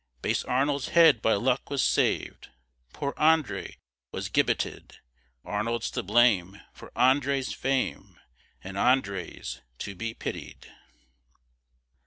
Base Arnold's head, by luck, was sav'd, Poor André was gibbeted; Arnold's to blame for André's fame, And André's to be pitied.